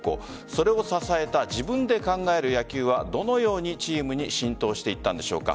それを支えた自分で考える野球はどのようにチームに浸透していったんでしょうか。